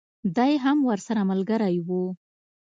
دی هم ورسره ملګری وو.